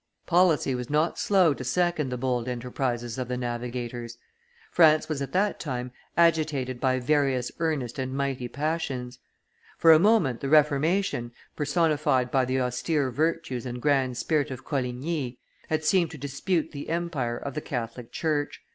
Policy was not slow to second the bold enterprises of the navigators. France was at that time agitated by various earnest and mighty passions; for a moment the Reformation, personified by the austere virtues and grand spirit of Coligny, had seemed to dispute the empire of the Catholic church.